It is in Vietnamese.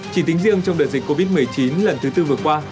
chỉ tính riêng trong đợt dịch covid một mươi chín lần thứ tư vừa qua